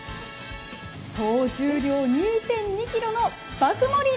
総重量２．２ｋｇの爆盛り